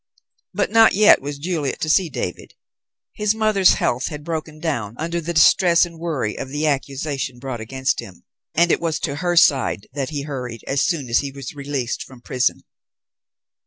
But not yet was Juliet to see David. His mother's health had broken down under the distress and worry of the accusation brought against him, and it was to her side that he hurried as soon as he was released from prison.